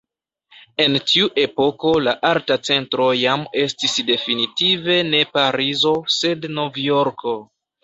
En tiu epoko la arta centro jam estis definitive ne Parizo sed Novjorko.